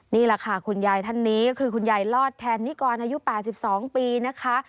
นี่แหละค่ะคุณยายท่านนี้ก็คือคุณยายลอดแทนนิกรอายุ๘๒ปีนะคะ